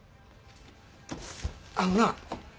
あのな。